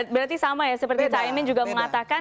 berarti sama ya seperti caimin juga mengatakan